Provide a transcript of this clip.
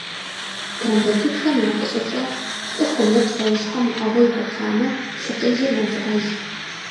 Тромбоцитхэм я фӏыщӏэкӏэ цӏыхум е псэущхьэм уӏэгъэ игъуэтамэ, лъыкъижыр мэувыӏэж.